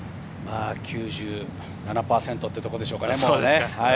９７％というところでしょうかね。